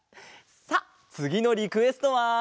さあつぎのリクエストは。